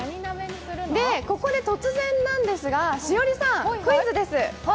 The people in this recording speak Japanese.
ここで突然なんですが、栞里さん、クイズです。